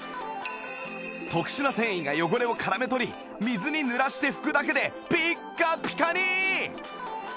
特殊な繊維が汚れを絡め取り水で濡らして拭くだけでピッカピカに！